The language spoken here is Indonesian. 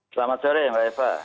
selamat sore mbak eva